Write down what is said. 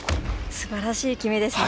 すばらしい極めですね。